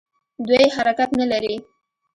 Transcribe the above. دوی حرکت نه لري.